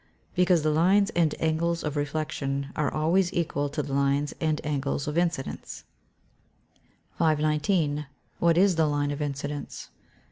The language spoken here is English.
_ Because the lines and angles of reflection are always equal to the lines and angles of incidence. 519. _What is the line of incidence?